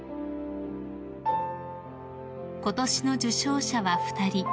［ことしの受賞者は２人］